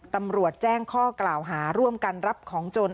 ตำรวจแจ้งข้อกล่าวหาร่วมกันรับของโจร